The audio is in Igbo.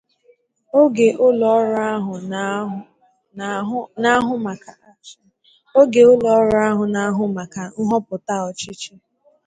oge ụlọọrụ ahụ na-ahụ maka nhọpụta ọchịchị